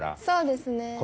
そうですね。